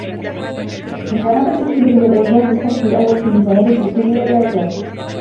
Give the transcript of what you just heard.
مُجَانَبَةُ الْكِبْرِ وَالْإِعْجَابِ الْفَصْلُ الْأَوَّلُ فِي مُجَانَبَةِ الْكِبْرِ وَالْإِعْجَابِ